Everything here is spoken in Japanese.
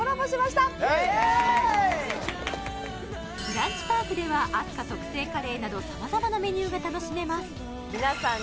ブランチパークではあす花特製カレーなど様々なメニューが楽しめます皆さん